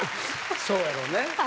そうやろうね。